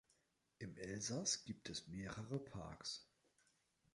Im Elsass gibt es mehrere Parks.